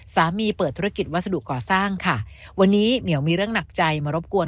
เปิดธุรกิจวัสดุก่อสร้างค่ะวันนี้เหมียวมีเรื่องหนักใจมารบกวน